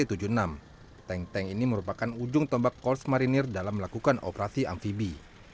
tank tank ini merupakan ujung tombak korps marinir dalam melakukan operasi amfibi